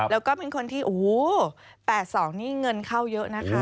แล้วก็เป็นคนที่โอ้โห๘๒นี่เงินเข้าเยอะนะคะ